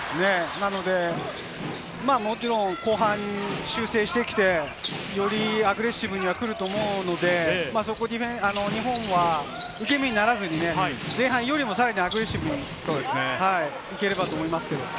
なのでもちろん後半修正してきて、よりアグレッシブに来ると思うので、日本は受け身にならずに、前半よりもさらにアグレッシブに行ければと思いますけどね。